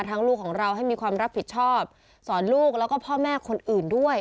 ลูกของเราให้มีความรับผิดชอบสอนลูกแล้วก็พ่อแม่คนอื่นด้วย